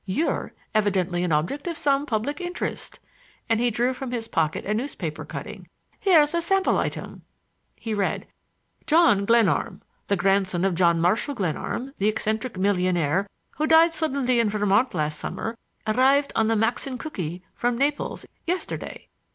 You're evidently an object of some public interest,"—and he drew from his pocket a newspaper cutting. "Here's a sample item." He read: "John Glenarm, the grandson of John Marshall Glenarm, the eccentric millionaire who died suddenly in Vermont last summer, arrived on the Maxinkuckee from Naples yesterday.